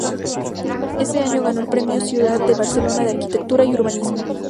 Ese año ganó el premio Ciudad de Barcelona de arquitectura y urbanismo.